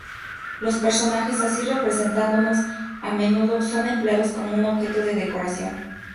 Los personajes así representados son a menudo empleados como un objeto de decoración.